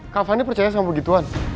kak fani percaya sama begituan